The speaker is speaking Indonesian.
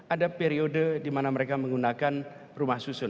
ada periode di mana mereka menggunakan rumah susun